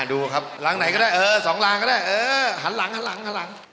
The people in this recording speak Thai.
ดูครับรางไหนก็ได้เออสองรางก็ได้เออหันหลัง